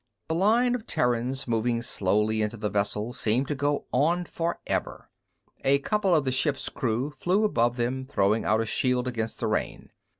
The line of Terrans moving slowly into the vessel seemed to go on forever. A couple of the ship's crew flew above them, throwing out a shield against the rain.